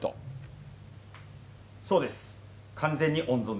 そうです。